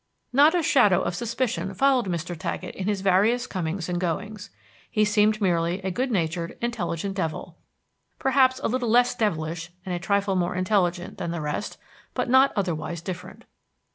Not a shadow of suspicion followed Mr. Taggett in his various comings and goings. He seemed merely a good natured, intelligent devil; perhaps a little less devilish and a trifle more intelligent than the rest, but not otherwise different.